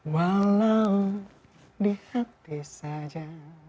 walau di hati saja